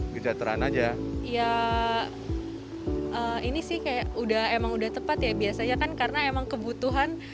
kejateraan aja ya ini sih kayak udah emang udah tepat ya biasanya kan karena emang kebutuhan